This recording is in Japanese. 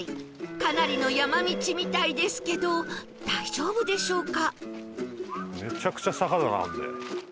かなりの山道みたいですけど大丈夫でしょうか？